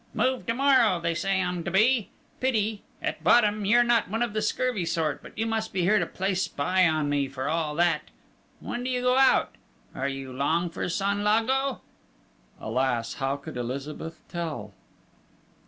"Moved to morrow, they say I'm to be! Pity! At bottom you're not one of the scurvy sort, but you must be here to play spy on me, for all that!... When do you go out? Are you long for Saint Lago?" Alas, how could Elizabeth tell?